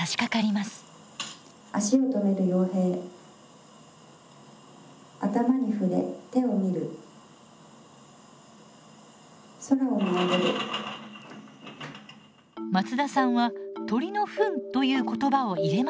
松田さんは「鳥のふん」という言葉を入れませんでした。